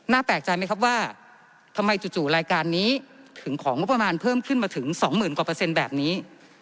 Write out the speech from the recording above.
น่าแปลกใจไหมครับว่าทำไมจู่รายการนี้ถึงของบประมาณเพิ่มขึ้นมาถึง๒๐๐๐๐บาทแบบนี้